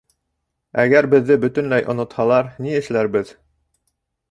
Әгәр беҙҙе бөтөнләй онотһалар, ни эшләрбеҙ?